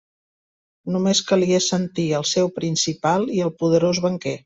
Només calia sentir el seu principal i el poderós banquer.